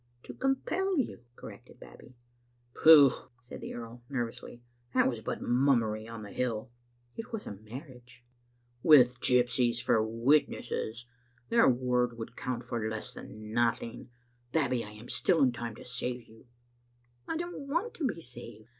"To compel you," corrected Babbie. "Pooh!" said the earl nervously, "that was but mummery on the hill." " It was a marriage. " 99 Digitized by VjOOQ IC 888 tSbc Kittle Ain(dtet« "With gypsies for witnesses. Their word would count for less than nothing. Babbie, I am still in time to save you." " I don't want to be saved.